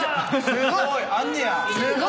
すごい。あんねや。